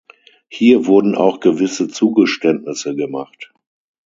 Hier wurden auch gewisse Zugeständnisse gemacht.